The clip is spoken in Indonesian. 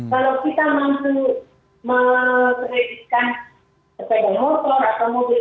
kalau kita mangsa mengerediskan sepeda motor atau mobil